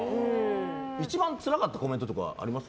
一番つらかったコメントとかあります？